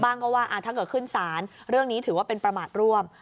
บ้างก็ว่าถ้าเกิดขึ้นศาลเรื่องนี้ถือว่าเป็นประมาทร่วม